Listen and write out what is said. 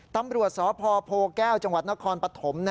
ตำรวจสพโพแก้วจังหวัดนครปฐม